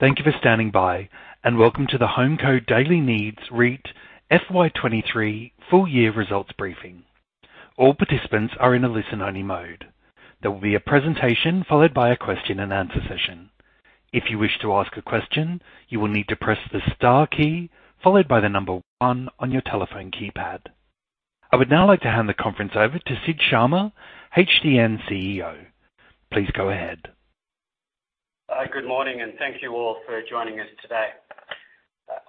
Thank you for standing by, and welcome to the HomeCo Daily Needs REIT FY23 full year results briefing. All participants are in a listen-only mode. There will be a presentation followed by a question and answer session. If you wish to ask a question, you will need to press the star key followed by the number one on your telephone keypad. I would now like to hand the conference over to Sid Sharma, HDN CEO. Please go ahead. Good morning, thank you all for joining us today.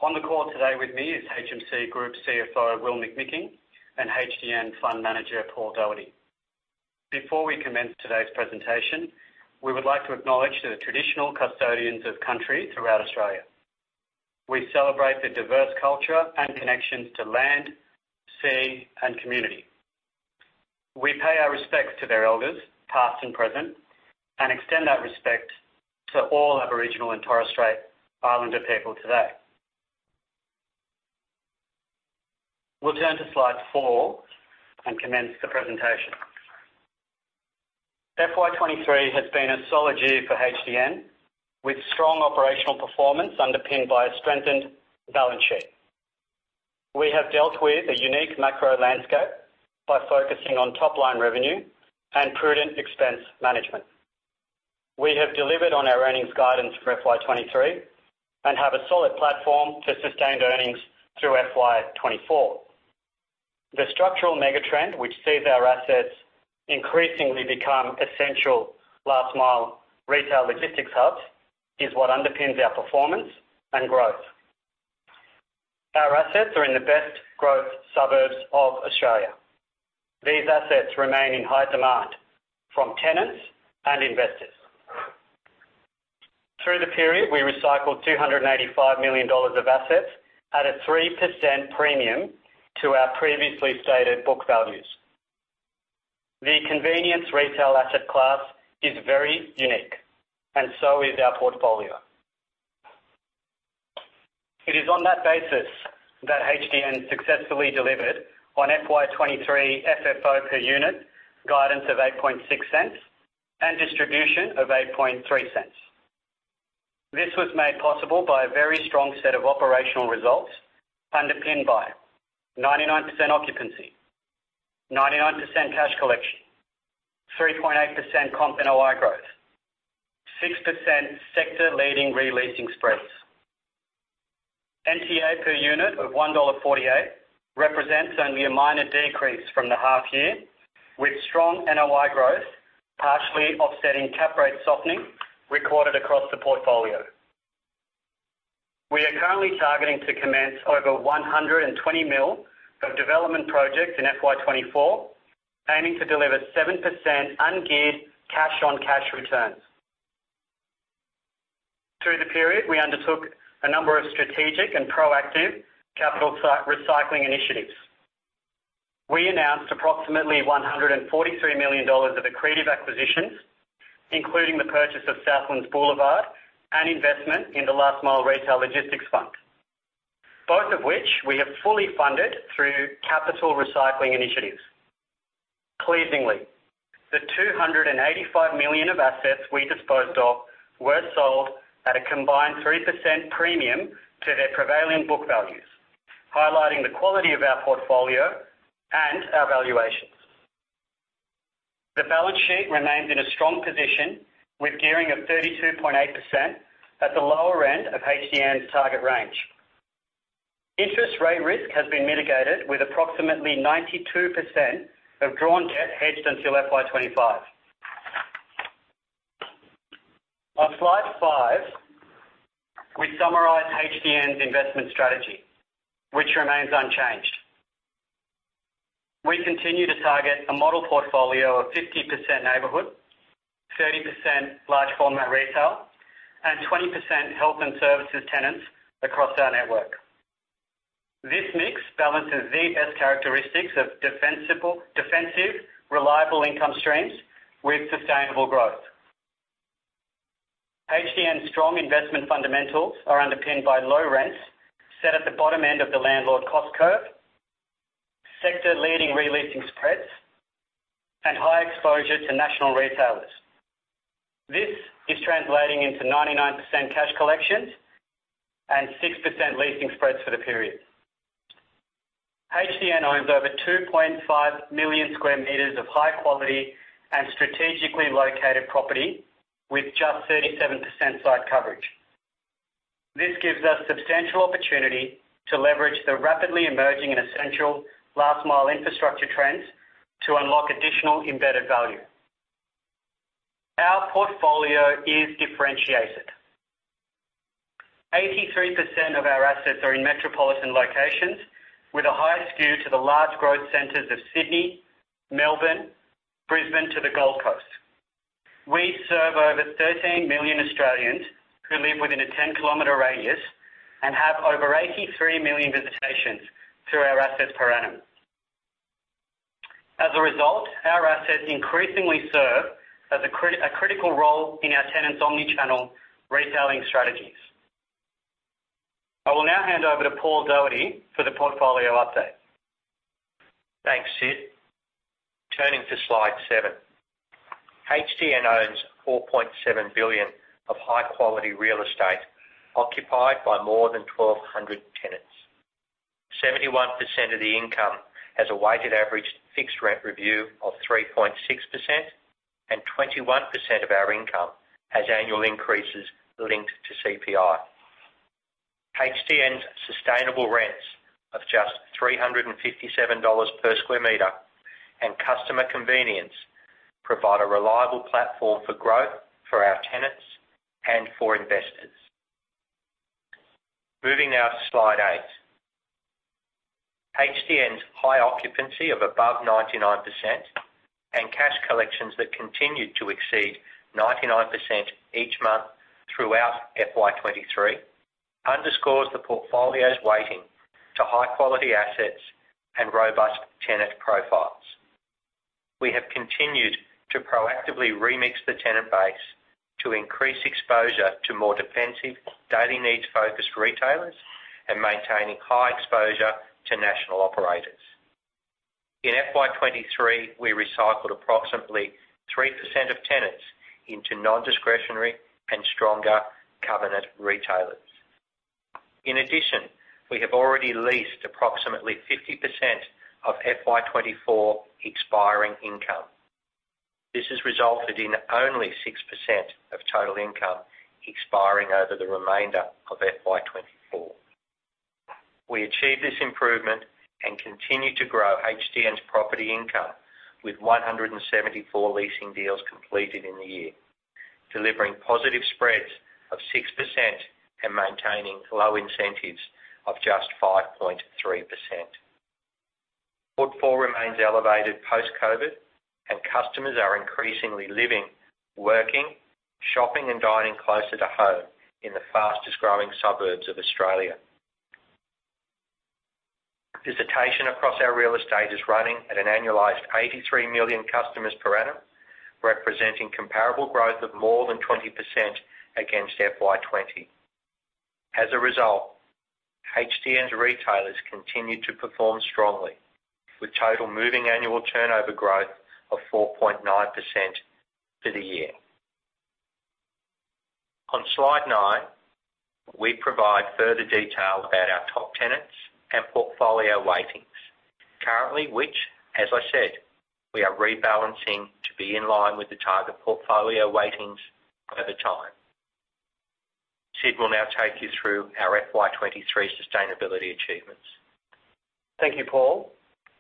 On the call today with me is HMC Capital CFO, Will McMicking, and HDN Fund Manager, Paul Doherty. Before we commence today's presentation, we would like to acknowledge the traditional custodians of country throughout Australia. We celebrate the diverse culture and connections to land, sea, and community. We pay our respects to their elders, past and present, and extend that respect to all Aboriginal and Torres Strait Islander people today. We'll turn to slide four and commence the presentation. FY23 has been a solid year for HDN, with strong operational performance underpinned by a strengthened balance sheet. We have dealt with a unique macro landscape by focusing on top-line revenue and prudent expense management. We have delivered on our earnings guidance for FY23 and have a solid platform to sustained earnings through FY24. The structural mega trend, which sees our assets increasingly become essential last mile retail logistics hubs, is what underpins our performance and growth. Our assets are in the best growth suburbs of Australia. These assets remain in high demand from tenants and investors. Through the period, we recycled 285 million dollars of assets at a 3% premium to our previously stated book values. The convenience retail asset class is very unique, and so is our portfolio. It is on that basis that HDN successfully delivered on FY23 FFO per unit guidance of 0.086 and distribution of 0.083. This was made possible by a very strong set of operational results, underpinned by 99% occupancy, 99% cash collection, 3.8% comp NOI growth, 6% sector-leading re-leasing spreads. NTA per unit of 1.48 dollar represents only a minor decrease from the half year, with strong NOI growth, partially offsetting cap rate softening recorded across the portfolio. We are currently targeting to commence over 120 million of development projects in FY24, aiming to deliver 7% ungeared cash-on-cash returns. Through the period, we undertook a number of strategic and proactive capital site recycling initiatives. We announced approximately 143 million dollars of accretive acquisitions, including the purchase of Southlands Boulevarde and investment in the Last Mile Retail Logistics Fund, both of which we have fully funded through capital recycling initiatives. Pleasingly, the 285 million of assets we disposed of were sold at a combined 3% premium to their prevailing book values, highlighting the quality of our portfolio and our valuations. The balance sheet remains in a strong position, with gearing of 32.8% at the lower end of HDN's target range. Interest rate risk has been mitigated, with approximately 92% of drawn debt hedged until FY25. On slide five, we summarize HDN's investment strategy, which remains unchanged. We continue to target a model portfolio of 50% neighbourhood, 30% large format retail, and 20% health and services tenants across our network. This mix balances the best characteristics of defensive, reliable income streams with sustainable growth. HDN's strong investment fundamentals are underpinned by low rents set at the bottom end of the landlord cost curve, sector-leading re-leasing spreads, and high exposure to national retailers. This is translating into 99% cash collections and 6% leasing spreads for the period. HDN owns over 2.5 million square meters of high quality and strategically located property, with just 37% site coverage. This gives us substantial opportunity to leverage the rapidly emerging and essential last mile infrastructure trends to unlock additional embedded value. Our portfolio is differentiated. 83% of our assets are in metropolitan locations, with a high skew to the large growth centers of Sydney, Melbourne, Brisbane to the Gold Coast. We serve over 13 million Australians who live within a 10-kilometer radius and have over 83 million visitations through our assets per annum. As a result, our assets increasingly serve as a critical role in our tenants' omni-channel retailing strategies. I will now hand over to Paul Doherty for the portfolio update. Thanks, Sid. Turning to slide seven. HDN owns 4.7 billion of high-quality real estate, occupied by more than 1,200 tenants. 71% of the income has a weighted average fixed rent review of 3.6%, and 21% of our income has annual increases linked to CPI. HDN's sustainable rents of just 357 dollars per square meter, and customer convenience provide a reliable platform for growth for our tenants and for investors. Moving now to slide eight. HDN's high occupancy of above 99%, and cash collections that continued to exceed 99% each month throughout FY23, underscores the portfolio's weighting to high-quality assets and robust tenant profiles. We have continued to proactively remix the tenant base to increase exposure to more defensive, daily needs-focused retailers, and maintaining high exposure to national operators. In FY23, we recycled approximately 3% of tenants into non-discretionary and stronger covenant retailers. In addition, we have already leased approximately 50% of FY24 expiring income. This has resulted in only 6% of total income expiring over the remainder of FY24. We achieved this improvement and continued to grow HDN's property income with 174 leasing deals completed in the year, delivering positive spreads of 6% and maintaining low incentives of just 5.3%. Footfall remains elevated post-COVID, and customers are increasingly living, working, shopping, and dining closer to home in the fastest-growing suburbs of Australia. Visitation across our real estate is running at an annualized 83 million customers per annum, representing comparable growth of more than 20% against FY20. As a result, HDN's retailers continued to perform strongly, with total moving annual turnover growth of 4.9% for the year. On Slide nine, we provide further detail about our top tenants and portfolio weightings. Currently, which, as I said, we are rebalancing to be in line with the target portfolio weightings over time. Sid will now take you through our FY23 sustainability achievements. Thank you, Paul.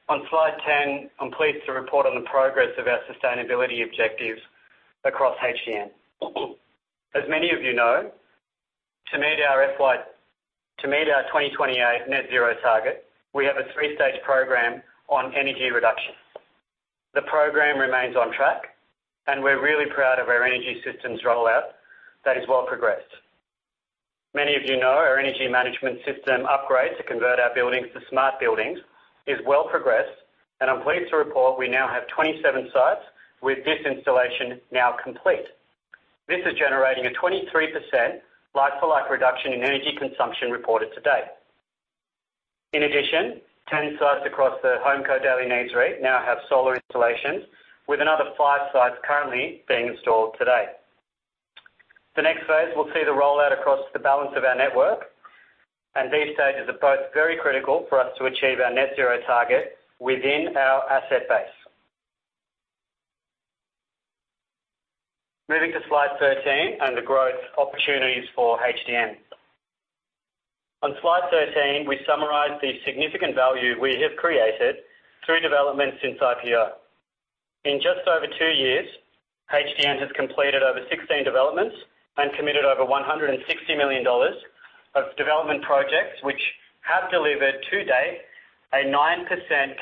On Slide 10, I'm pleased to report on the progress of our sustainability objectives across HDN. As many of you know, to meet our 2028 net zero target, we have a 3-stage program on energy reduction. The program remains on track, and we're really proud of our energy systems rollout. That is well progressed. Many of you know, our energy management system upgrade to convert our buildings to smart buildings is well progressed, and I'm pleased to report we now have 27 sites, with this installation now complete. This is generating a 23% like-for-like reduction in energy consumption reported to date. In addition, 10 sites across the HomeCo Daily Needs REIT now have solar installations, with another five sites currently being installed today. The next phase will see the rollout across the balance of our network. These stages are both very critical for us to achieve our net zero target within our asset base. Moving to Slide 13, the growth opportunities for HDN. On Slide 13, we summarize the significant value we have created through developments since IPO. In just over two years, HDN has completed over 16 developments and committed over 160 million dollars of development projects, which have delivered to date a 9%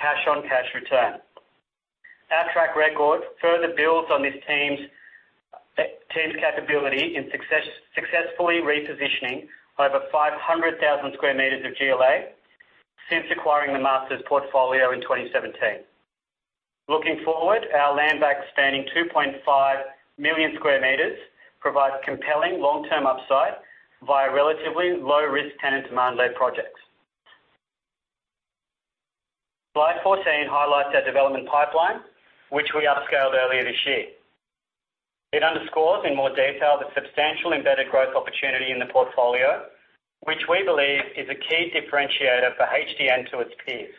cash-on-cash return. Our track record further builds on this team's team's capability in successfully repositioning over 500,000 square meters of GLA since acquiring the Masters portfolio in 2017. Looking forward, our landbank, spanning 2.5 million square meters, provides compelling long-term upside via relatively low-risk tenant demand-led projects. Slide 14 highlights our development pipeline, which we upscaled earlier this year. It underscores in more detail the substantial embedded growth opportunity in the portfolio, which we believe is a key differentiator for HDN to its peers.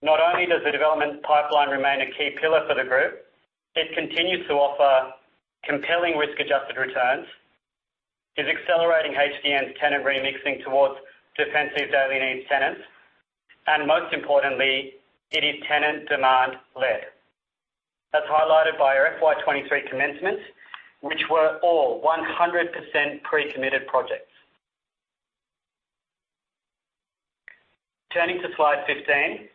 Not only does the development pipeline remain a key pillar for the group, it continues to offer compelling risk-adjusted returns, is accelerating HDN's tenant remixing towards defensive daily needs tenants, and most importantly, it is tenant demand led. As highlighted by our FY23 commencements, which were all 100% pre-committed projects. Turning to Slide 15,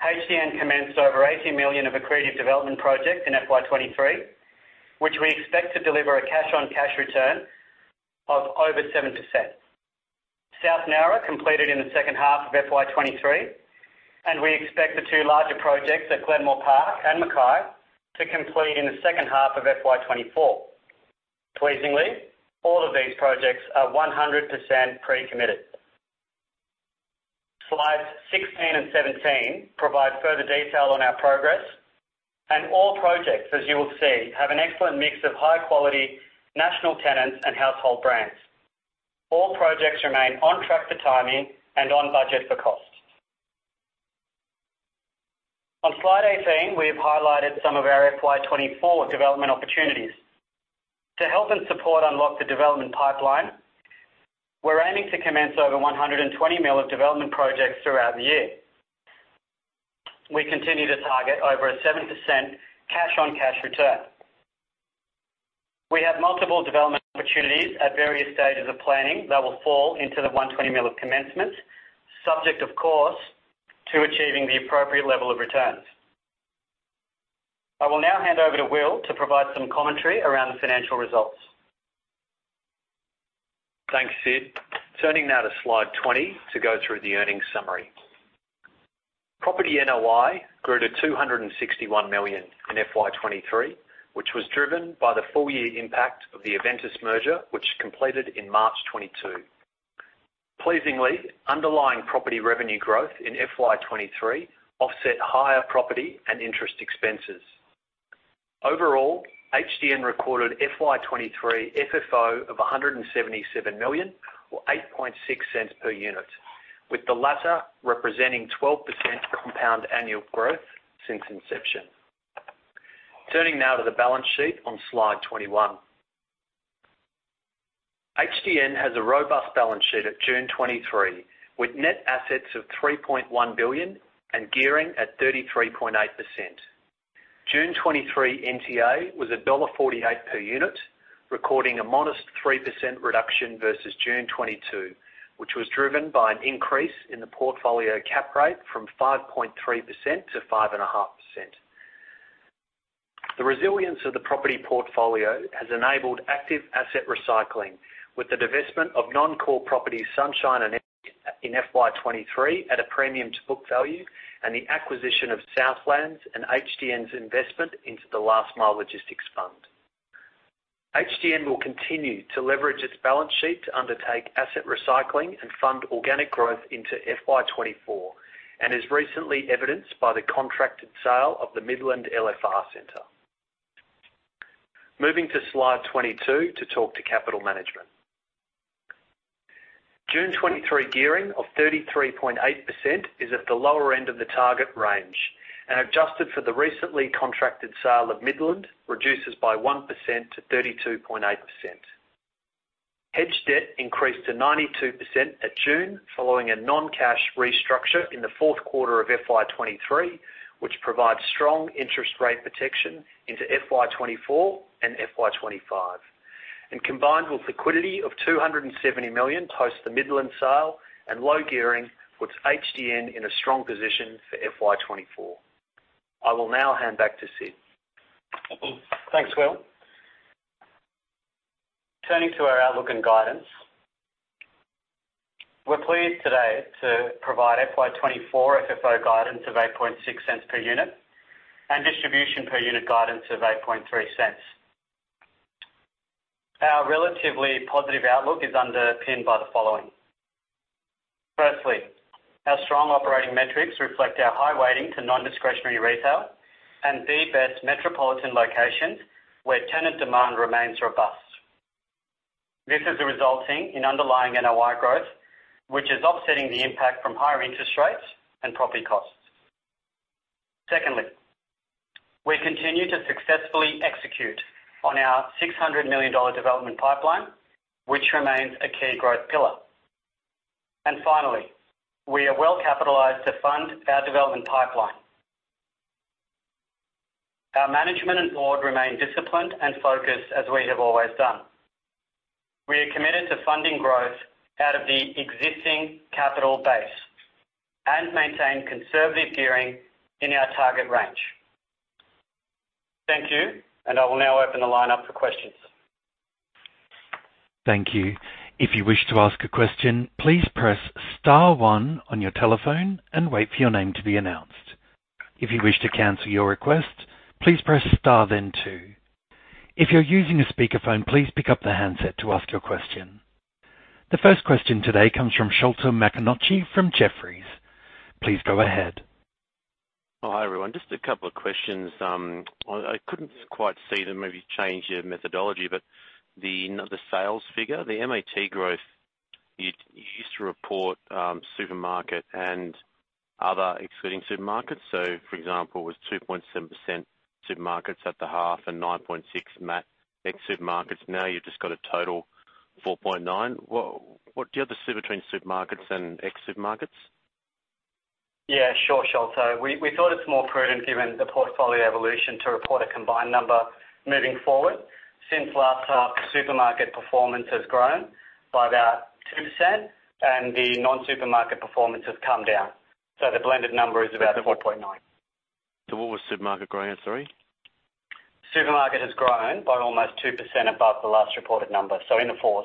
HDN commenced over 80 million of accretive development projects in FY23, which we expect to deliver a cash-on-cash return of over 7%. South Nowra completed in the second half of FY23. We expect the two larger projects at Glenmore Park and Mackay to complete in the second half of FY24. Pleasingly, all of these projects are 100% pre-committed. Slides 16 and 17 provide further detail on our progress, and all projects, as you will see, have an excellent mix of high-quality national tenants and household brands. All projects remain on track for timing and on budget for cost. On slide 18, we have highlighted some of our FY24 development opportunities. To help and support unlock the development pipeline, we're aiming to commence over 120 million of development projects throughout the year. We continue to target over a 7% cash-on-cash return. We have multiple development opportunities at various stages of planning that will fall into the 120 million of commencement, subject, of course, to achieving the appropriate level of returns. I will now hand over to Will to provide some commentary around the financial results. Thanks, Sid. Turning now to slide 20 to go through the earnings summary. Property NOI grew to 261 million in FY23, which was driven by the full year impact of the Aventus merger, which completed in March 2022. Pleasingly, underlying property revenue growth in FY23 offset higher property and interest expenses. Overall, HDN recorded FY23 FFO of 177 million, or 0.086 per unit, with the latter representing 12% compound annual growth since inception. Turning now to the balance sheet on slide 21. HDN has a robust balance sheet at June 2023, with net assets of 3.1 billion and gearing at 33.8%. June 2023 NTA was dollar 1.48 per unit, recording a modest 3% reduction versus June 2022, which was driven by an increase in the portfolio cap rate from 5.3% to 5.5%. The resilience of the property portfolio has enabled active asset recycling, with the divestment of non-core properties, Sunshine in FY23 at a premium to book value, and the acquisition of Southlands and HDN's investment into the Last Mile Logistics Fund. HDN will continue to leverage its balance sheet to undertake asset recycling and fund organic growth into FY24, is recently evidenced by the contracted sale of the Midland LFR Centre. Moving to slide 22 to talk to capital management. June 23 gearing of 33.8% is at the lower end of the target range, and adjusted for the recently contracted sale of Midland, reduces by 1% to 32.8%. Hedge debt increased to 92% at June, following a non-cash restructure in the fourth quarter of FY23, which provides strong interest rate protection into FY24 and FY25. Combined with liquidity of 270 million post the Midland sale and low gearing, puts HDN in a strong position for FY24. I will now hand back to Sid. Thanks, Will. Turning to our outlook and guidance, we're pleased today to provide FY24 FFO guidance of 0.086 per unit, and distribution per unit guidance of 0.083. Our relatively positive outlook is underpinned by the following: firstly, our strong operating metrics reflect our high weighting to non-discretionary retail and the best metropolitan locations where tenant demand remains robust. This is resulting in underlying NOI growth, which is offsetting the impact from higher interest rates and property costs. Secondly, we continue to successfully execute on our 600 million dollar development pipeline, which remains a key growth pillar. Finally, we are well capitalized to fund our development pipeline. Our management and board remain disciplined and focused as we have always done. We are committed to funding growth out of the existing capital base and maintain conservative gearing in our target range. Thank you, and I will now open the line up for questions. Thank you. If you wish to ask a question, please press star one on your telephone and wait for your name to be announced. If you wish to cancel your request, please press star, then two. If you're using a speakerphone, please pick up the handset to ask your question. The first question today comes from Sholto Maconochie from Jefferies. Please go ahead. Oh, hi, everyone. Just a couple of questions. I, I couldn't quite see them, maybe change your methodology, but the sales figure, the MAT growth, you, you used to report, supermarket and other excluding supermarkets. So for example, it was 2.7% supermarkets at the half and 9.6 ex supermarkets. Now, you've just got a total of 4.9. What, what do you have to see between supermarkets and ex supermarkets? Yeah, sure, Sholto. We thought it's more prudent, given the portfolio evolution, to report a combined number moving forward. Since last half, supermarket performance has grown by about 2% and the non-supermarket performance has come down. The blended number is about 4.9%. What was supermarket growing, sorry? Supermarket has grown by almost 2% above the last reported number, so in the 4th....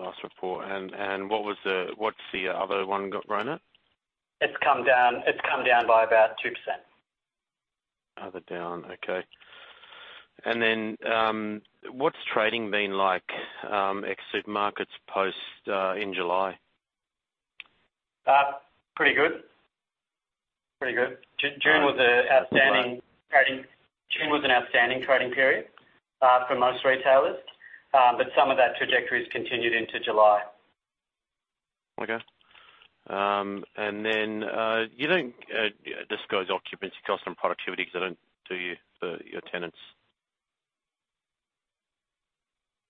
last report. What was the, what's the other one got, Rona? It's come down, it's come down by about 2%. Other down. Okay. Then what's trading been like ex-supermarkets post in July? Pretty good. Pretty good. June was an outstanding trading period, for most retailers. But some of that trajectory has continued into July. Okay. You don't disclose occupancy cost and productivity because I don't do you for your tenants?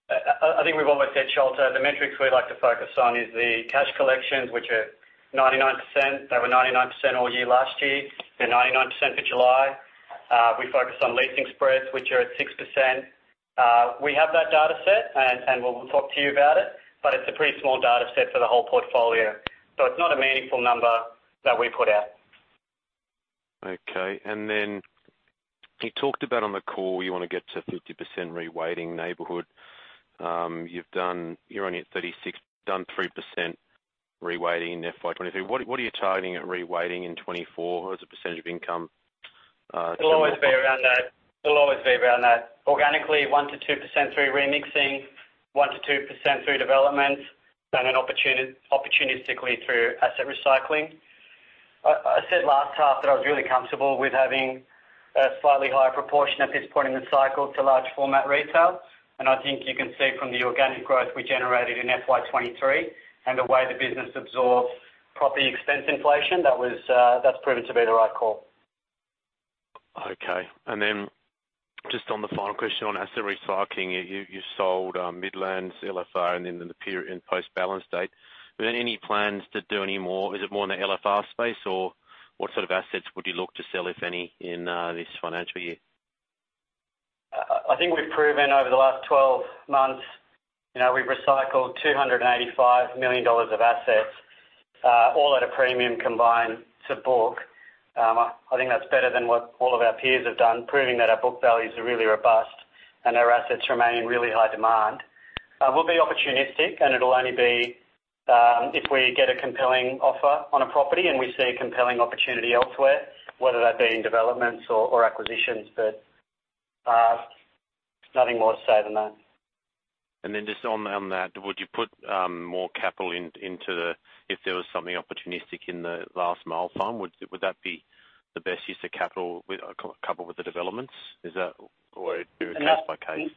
I think we've almost said Sholto. The metrics we like to focus on is the cash collections, which are 99%. They were 99% all year last year. They're 99% for July. We focus on leasing spreads, which are at 6%. We have that data set, and we'll talk to you about it, but it's a pretty small data set for the whole portfolio, so it's not a meaningful number that we put out. Okay. Then you talked about on the call, you want to get to 50% reweighting neighborhood. You're only at 36%, done 3% reweighting in FY 2023. What, what are you targeting at reweighting in 2024 as a percentage of income? It'll always be around that. It'll always be around that. Organically, 1%-2% through remixing, 1%-2% through development, and opportunistically through asset recycling. I said last half that I was really comfortable with having a slightly higher proportion at this point in the cycle to large format retail, and I think you can see from the organic growth we generated in FY23 and the way the business absorbs property expense inflation, that was, that's proven to be the right call. Okay. Then just on the final question on asset recycling, you, you, you sold Midland LFR and then in the period in post-balance date. Are there any plans to do any more? Is it more in the LFR space, or what sort of assets would you look to sell, if any, in this financial year? I, I think we've proven over the last 12 months, you know, we've recycled 285 million dollars of assets, all at a premium combined to book. I think that's better than what all of our peers have done, proving that our book values are really robust and our assets remain in really high demand. We'll be opportunistic, and it'll only be, if we get a compelling offer on a property and we see a compelling opportunity elsewhere, whether that be in developments or, or acquisitions, but, nothing more to say than that. Then just on, on that, would you put more capital in, if there was something opportunistic in the Last Mile Fund, would that be the best use of capital with, coupled with the developments? Is that or case by case?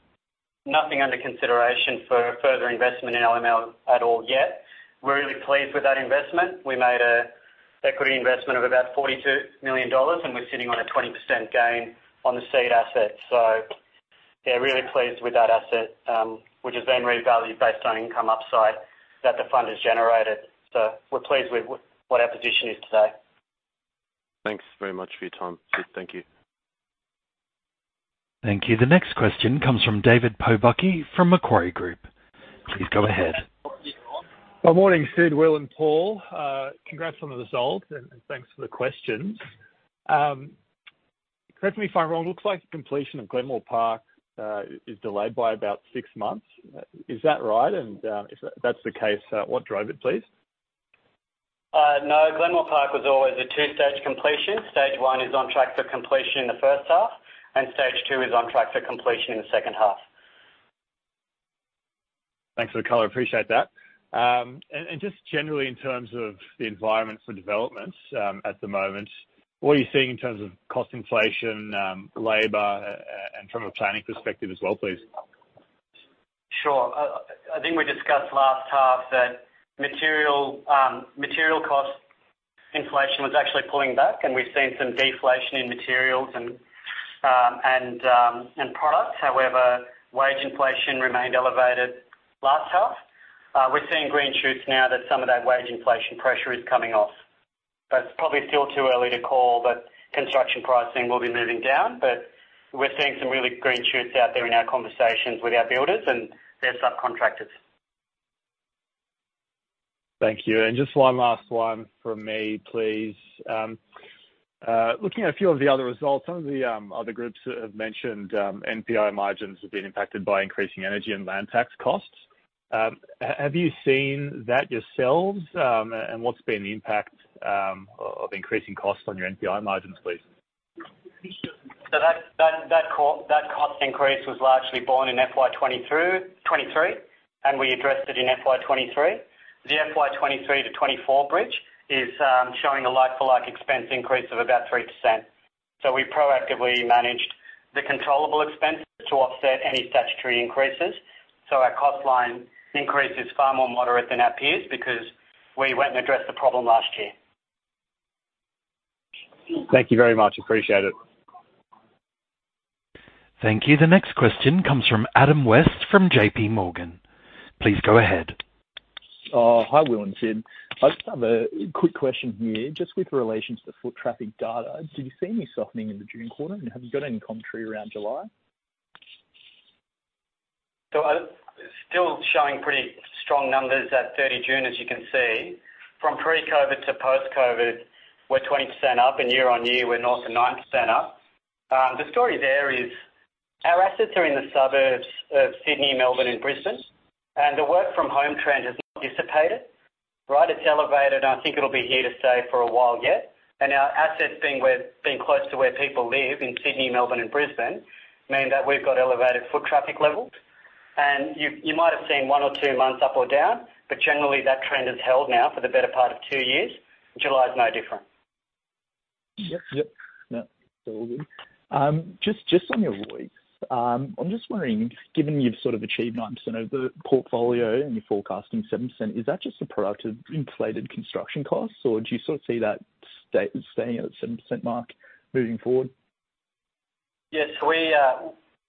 Nothing under consideration for further investment in LML at all yet. We're really pleased with that investment. We made a equity investment of about 42 million dollars, and we're sitting on a 20% gain on the seed asset. Yeah, really pleased with that asset, which has been revalued based on income upside that the fund has generated. We're pleased with what, what our position is today. Thanks very much for your time. Thank you. Thank you. The next question comes from David Pobucky from Macquarie Group. Please go ahead. Good morning, Sid, Will, and Paul. Congrats on the results, and thanks for the questions. Correct me if I'm wrong, it looks like the completion of Glenmore Park is delayed by about six months. Is that right? If that's the case, what drove it, please? No, Glenmore Park was always a two-stage completion. Stage one is on track for completion in the first half, and Stage two is on track for completion in the second half. Thanks for the color. Appreciate that. Just generally in terms of the environment for developments, at the moment, what are you seeing in terms of cost inflation, labor, and from a planning perspective as well, please? Sure. I think we discussed last half that material cost inflation was actually pulling back, and we've seen some deflation in materials and products. However, wage inflation remained elevated last half. We're seeing green shoots now that some of that wage inflation pressure is coming off. It's probably still too early to call that construction pricing will be moving down, but we're seeing some really green shoots out there in our conversations with our builders and their subcontractors. Thank you. Just one last one from me, please. Looking at a few of the other results, some of the other groups that have mentioned, NPI margins have been impacted by increasing energy and land tax costs. Have you seen that yourselves? What's been the impact of increasing costs on your NPI margins, please? That cost increase was largely born in FY22, FY23, and we addressed it in FY23. The FY23 to FY24 bridge is showing a like-for-like expense increase of about 3%. We proactively managed the controllable expense to offset any statutory increases. Our cost line increase is far more moderate than our peers because we went and addressed the problem last year. Thank you very much. Appreciate it. Thank you. The next question comes from Adam West, from JP Morgan. Please go ahead. Hi, Will and Sid. I just have a quick question here, just with relation to the foot traffic data. Do you see any softening in the June quarter, and have you got any commentary around July? Still showing pretty strong numbers at 30 June, as you can see. From pre-COVID to post-COVID, we're 20% up, and year on year, we're north of 9% up. The story there is our assets are in the suburbs of Sydney, Melbourne, and Brisbane, and the work from home trend has not dissipated, right? It's elevated, and I think it'll be here to stay for a while yet. Our assets being close to where people live in Sydney, Melbourne, and Brisbane, mean that we've got elevated foot traffic levels. You, you might have seen one or two months up or down, but generally, that trend has held now for the better part of two years. July is no different. Yep, yep. No, it's all good. Just, just on your voice, I'm just wondering, given you've sort of achieved 9% of the portfolio and you're forecasting 7%, is that just a product of inflated construction costs, or do you sort of see that staying at the 7% mark moving forward? Yes, we,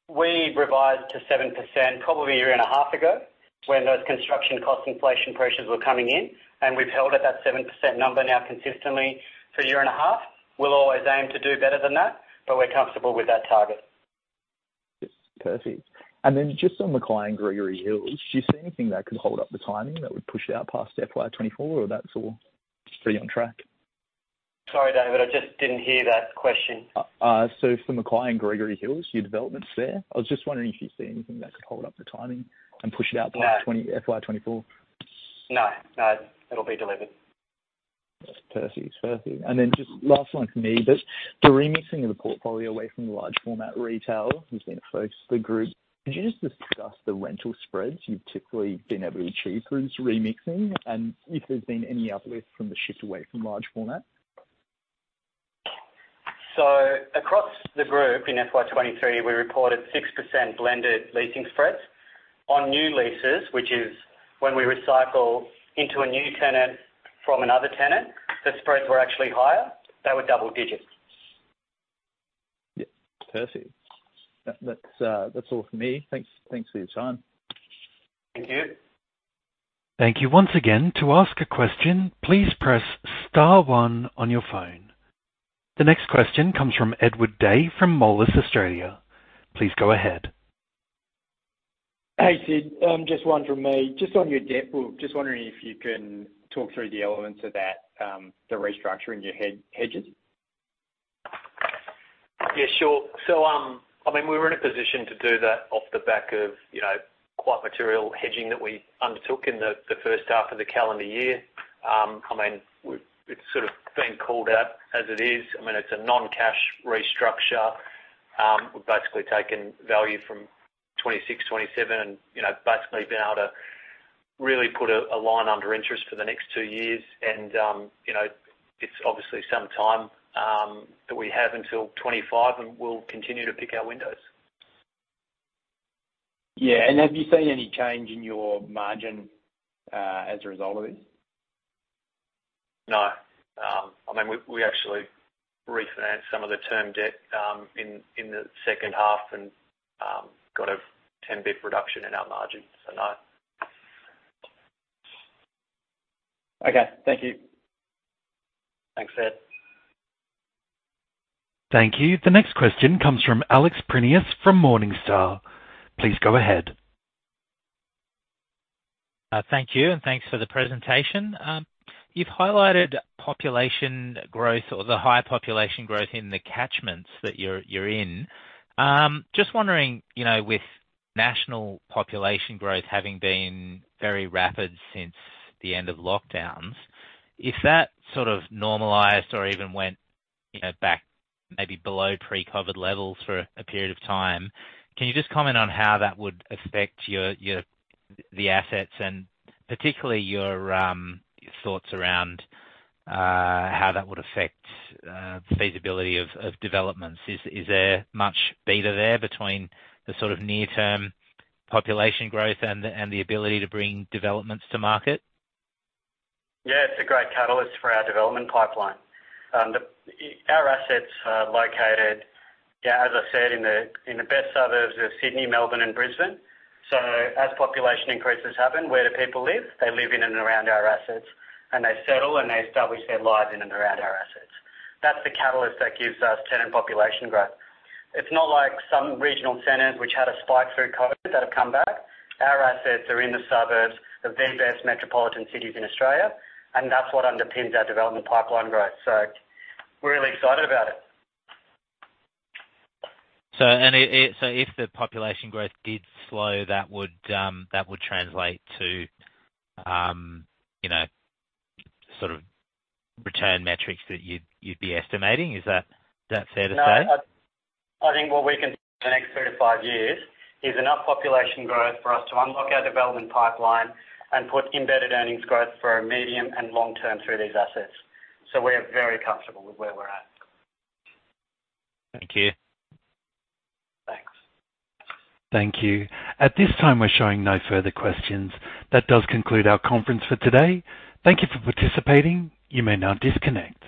we revised to 7% probably a year and a half ago, when those construction cost inflation pressures were coming in, and we've held at that 7% number now consistently for a year and a half. We'll always aim to do better than that, but we're comfortable with that target. Yes. Perfect. Then just on the Mackay and Gregory Hills, do you see anything that could hold up the timing, that would push it out past FY24, or that's all just pretty on track? Sorry, Adam, I just didn't hear that question. So for Mackay and Gregory Hills, your developments there, I was just wondering if you see anything that could hold up the timing and push it out- No. by 20, FY24? No, no, it'll be delivered. Perfect. Perfect. Just last one from me, but the remixing of the portfolio away from the large format retail has been a focus of the group. Could you just discuss the rental spreads you've typically been able to achieve through this remixing, and if there's been any uplift from the shift away from large format? Across the group in FY23, we reported 6% blended leasing spreads. On new leases, which is when we recycle into a new tenant from another tenant, the spreads were actually higher. They were double digits. Yeah, perfect. That, that's, that's all from me. Thanks, thanks for your time. Thank you. Thank you once again. To ask a question, please press star one on your phone. The next question comes from Edward Day, from Moelis Australia. Please go ahead. Hey, Sid. Just one from me. Just on your debt, well, just wondering if you can talk through the elements of that, the restructuring your hedges? Yeah, sure. I mean, we were in a position to do that off the back of, you know, quite material hedging that we undertook in the first half of the calendar year. I mean, it's sort of been called out as it is. I mean, it's a non-cash restructure. We've basically taken value from 26, 27, and, you know, basically been able to really put a line under interest for the next two years. You know, it's obviously some time that we have until 25, and we'll continue to pick our windows. Yeah, have you seen any change in your margin as a result of this? No. I mean, we, we actually refinanced some of the term debt, in, in the second half and got a 10 basis points reduction in our margin, so no. Okay. Thank you. Thanks, Ed. Thank you. The next question comes from Alexander Prineas from Morningstar. Please go ahead. Thank you, and thanks for the presentation. You've highlighted population growth or the higher population growth in the catchments that you're, you're in. Just wondering, you know, with national population growth having been very rapid since the end of lockdowns, if that sort of normalized or even went, you know, back maybe below pre-COVID levels for a period of time, can you just comment on how that would affect your, your, the assets and particularly your thoughts around how that would affect the feasibility of developments? Is there much beta there between the sort of near-term population growth and the ability to bring developments to market? It's a great catalyst for our development pipeline. Our assets are located, as I said, in the, in the best suburbs of Sydney, Melbourne, and Brisbane. As population increases happen, where do people live? They live in and around our assets, and they settle, and they establish their lives in and around our assets. That's the catalyst that gives us tenant population growth. It's not like some regional centers which had a spike through COVID that have come back. Our assets are in the suburbs of the best metropolitan cities in Australia, and that's what underpins our development pipeline growth. We're really excited about it. So if the population growth did slow, that would, that would translate to, you know, sort of return metrics that you'd, you'd be estimating. Is that, that fair to say? No, I, I think what we can see in the next 35 years is enough population growth for us to unlock our development pipeline and put embedded earnings growth for a medium and long term through these assets. We're very comfortable with where we're at. Thank you. Thanks. Thank you. At this time, we're showing no further questions. That does conclude our conference for today. Thank you for participating. You may now disconnect.